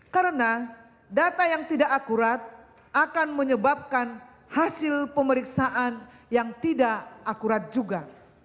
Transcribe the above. karena data yang tidak akurat akan menyebabkan hasil pemeriksaan yang tidak akurat juga